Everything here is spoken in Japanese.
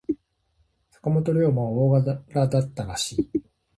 坂本龍馬は大柄だったらしい。